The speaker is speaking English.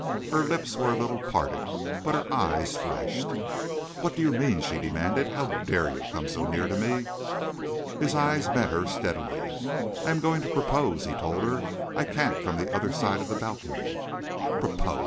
Her lips were a little parted, but her eyes flashed. "What do you mean?" she demanded. "How dare you come so near to me!" His eyes met hers steadily. "I am going to propose," he told her. "I can't from the other side of the balcony." "Propose!"